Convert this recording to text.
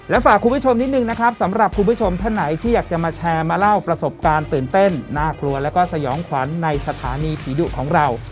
ฝากคุณผู้ชมนิดนึงนะครับสำหรับคุณผู้ชมท่านไหนที่อยากจะมาแชร์มาเล่าประสบการณ์ตื่นเต้นน่ากลัวแล้วก็สยองขวัญในสถานีผีดุของเรา